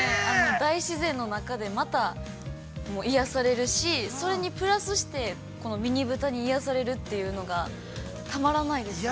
大自然の中で、また癒やされるし、それにプラスしてこのミニブタに癒やされるというのが、たまらないですね。